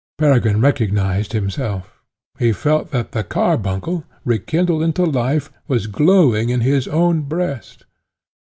Peregrine recognized himself; he felt that the carbuncle, rekindled into life, was glowing in his own breast.